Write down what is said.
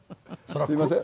すみません。